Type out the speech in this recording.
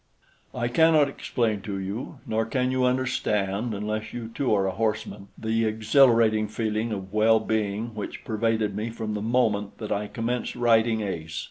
I cannot explain to you, nor can you understand, unless you too are a horseman, the exhilarating feeling of well being which pervaded me from the moment that I commenced riding Ace.